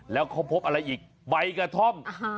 แล้วเขาพบอะไรอีกใบกระท่อม